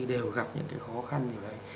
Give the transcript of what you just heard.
đều gặp những khó khăn như vậy